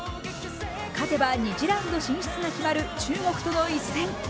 勝てば２次ラウンド進出が決まる中国との一戦。